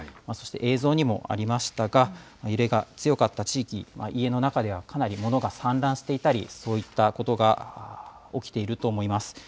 そして映像にもありましたが、揺れが強かった地域、家の中ではかなり物が散乱していたり、そういったことが起きていると思います。